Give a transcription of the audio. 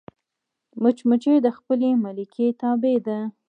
مچمچۍ د خپلې ملکې تابع ده